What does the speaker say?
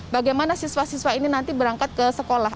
bagaimana siswa siswa ini nanti berangkat ke sekolah